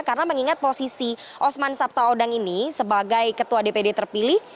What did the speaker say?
karena mengingat posisi osman sabtaodang ini sebagai ketua dpd terpilih